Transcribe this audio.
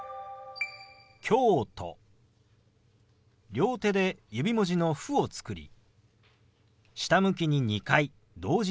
両手で指文字の「フ」を作り下向きに２回同時に動かします。